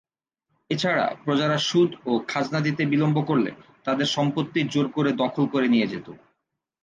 এছাড়া প্রজারা সুদ ও খাজনা দিতে বিলম্ব করলে তাদের সম্পত্তি জোর করে দখল করে নিয়ে যেত।